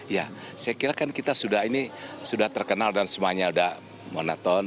ya saya kira kan kita sudah ini sudah terkenal dan semuanya sudah monoton